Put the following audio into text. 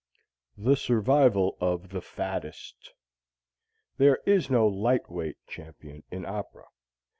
_] THE SURVIVAL OF THE FATTEST There is no lightweight championship in opera.